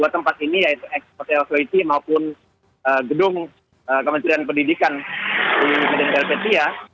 dua tempat ini yaitu ekspresial kursi maupun gedung kemencerian pendidikan di medan belpetya